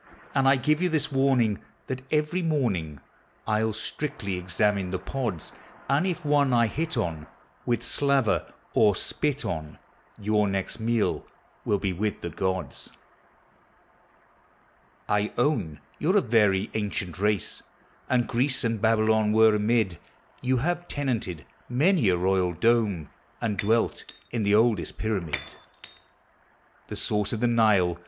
And I give you this warning, That, every morning, I'll strictly examine the pods; And if one I hit on, With slaver or spit on, Your next meal will be with the gods. I own you 're a very ancient race, And Greece and Babylon were amid; You have tenanted many a royal dome, And dwelt in the oldest pyramid; The source of the Nile!